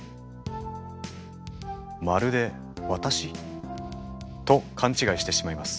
「まるで私？」と勘違いしてしまいます。